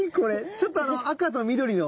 ちょっとあの赤と緑の？